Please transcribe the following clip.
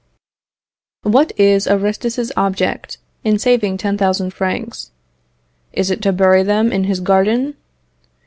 What is Aristus's object in saving 10,000 francs? Is it to bury them in his garden?